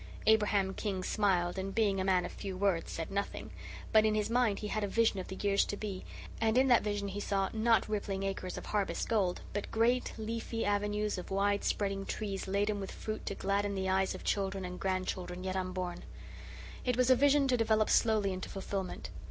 Abraham King smiled and, being a man of few words, said nothing; but in his mind he had a vision of the years to be, and in that vision he saw, not rippling acres of harvest gold, but great, leafy avenues of wide spreading trees laden with fruit to gladden the eyes of children and grandchildren yet unborn. It was a vision to develop slowly into fulfilment.